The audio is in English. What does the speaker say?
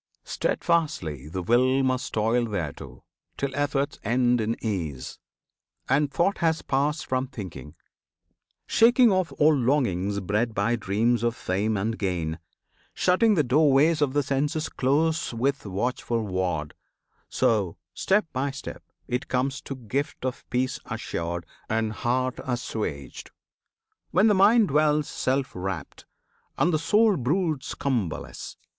Steadfastly the will Must toil thereto, till efforts end in ease, And thought has passed from thinking. Shaking off All longings bred by dreams of fame and gain, Shutting the doorways of the senses close With watchful ward; so, step by step, it comes To gift of peace assured and heart assuaged, When the mind dwells self wrapped, and the soul broods Cumberless.